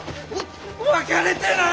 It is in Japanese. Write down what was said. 別れてない！